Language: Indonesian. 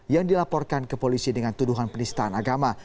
yang dilaporkan ke polisi dengan tuduhan penistaan agama